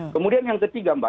kemudian yang ketiga mbak